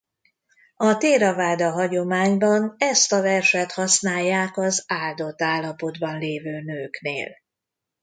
A théraváda hagyományban ezt a verset használják az áldott állapotban lévő nőknél.